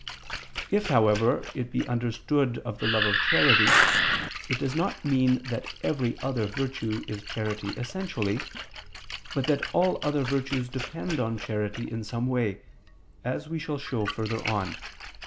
If, however, it be understood of the love of charity, it does not mean that every other virtue is charity essentially: but that all other virtues depend on charity in some way, as we shall show further on (Q.